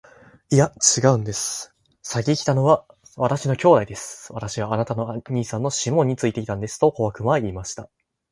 「いや、ちがうんです。先来たのは私の兄弟です。私はあなたの兄さんのシモンについていたんです。」と小悪魔は言いました。